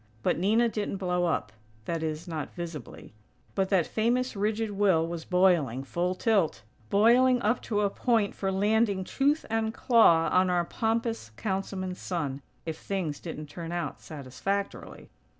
But Nina didn't blow up, that is, not visibly; but that famous rigid will was boiling, full tilt; boiling up to a point for landing, "tooth and claw" on our pompous Councilman's son, if things didn't turn out satisfactorily.